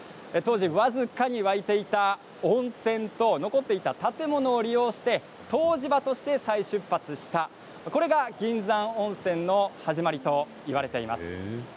僅かに湧いていた温泉と残っていた建物を利用して湯治場として再出発したこれが銀山温泉の始まりといわれています。